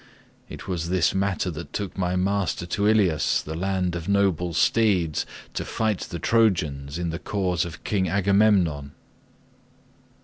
It was this matter that took my master to Ilius, the land of noble steeds, to fight the Trojans in the cause of king Agamemnon."